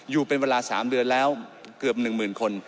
อยู่เป็นเวลา๓เดือนแล้วเกือบ๑๐๐๐คน